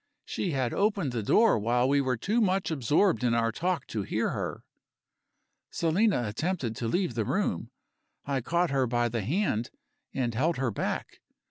She had opened the door while we were too much absorbed in our talk to hear her. Selina attempted to leave the room. I caught her by the hand, and held her back.